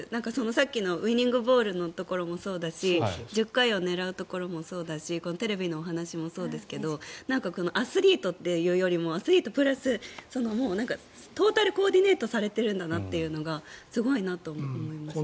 さっきのウィニングボールのところもそうだし１０回を狙うところもそうだしテレビのお話もそうですけどアスリートっていうよりもアスリートプラストータルコーディネートされているんだなというのがすごいなって思いました。